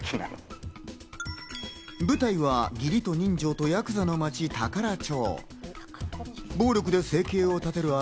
舞台は義理と人情とヤクザの町・宝町。